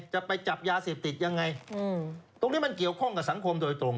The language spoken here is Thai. จะไปจับยาเสพติดยังไงตรงนี้มันเกี่ยวข้องกับสังคมโดยตรง